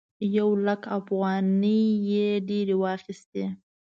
یو لک افغانۍ یې ډېرې واخيستې.